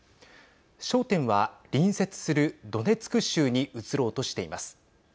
焦点は、隣接するドネツク州に移ろうとしています。